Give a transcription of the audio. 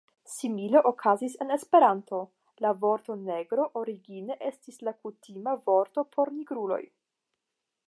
Simile okazis en Esperanto: La vorto "negro" origine estis la kutima vorto por nigruloj.